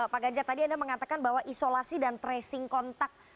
pak ganjar tadi anda mengatakan bahwa isolasi dan tracing kontak